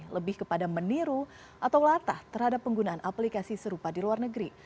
lebih kepada meniru atau latah terhadap penggunaan aplikasi serupa di luar negeri